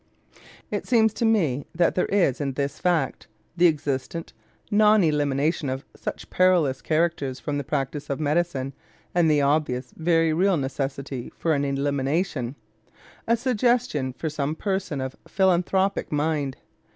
It seems to me that there is in this fact the existent, non elimination of such perilous characters from the practice of medicine, and the obvious, very real necessity for such an elimination a suggestion for some person of philanthropic mind.